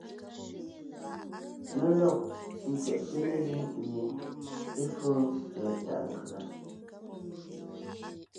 Mé lɔg ńtyɛʼte mezíŋ mie é fóo tsɛ̀ɛ tàʼ nkʉ̀a.